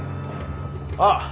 ああ。